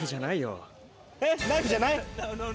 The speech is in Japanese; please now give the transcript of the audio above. えっナイフじゃない？